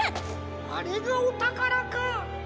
あれがおたからか。